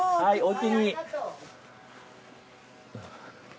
はいおおきに。